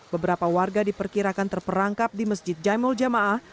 beberapa warga diperkirakan terperangkap di masjid jaimul jamaah